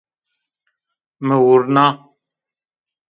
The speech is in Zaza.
Mi vurna